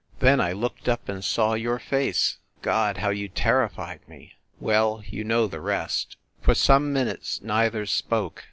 Then I looked up and saw your face ! God, how you terrified me !... Well, you know the rest. For some minutes neither spoke.